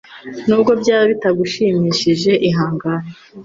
nubwo byaba bitagushimishije ihangane